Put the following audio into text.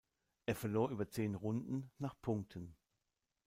Er verlor über zehn Runden nach Punkten.